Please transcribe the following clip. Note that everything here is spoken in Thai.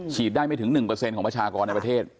ฉีดได้ไม่ถึง๑เปอร์เซ็นต์ของประชากรในประเทศ